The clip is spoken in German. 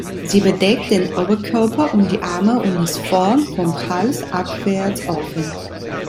Sie bedeckt den Oberkörper und die Arme und ist vorn vom Hals abwärts offen.